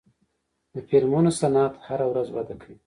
د فلمونو صنعت هره ورځ وده کوي.